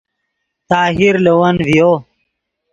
طاہر لے ون ڤیو